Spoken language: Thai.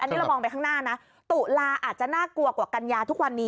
อันนี้เรามองไปข้างหน้านะตุลาอาจจะน่ากลัวกว่ากัญญาทุกวันนี้